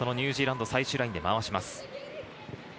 ニュージーランド、最終ラインで回します。